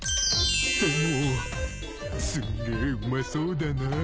でもすげえうまそうだなあ。